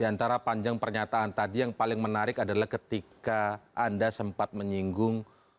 di antara panjang pernyataan tadi yang paling menarik adalah ketika anda sempat menyinggung